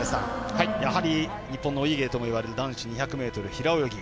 やはり日本のお家芸とも言われる男子２００ｍの平泳ぎ。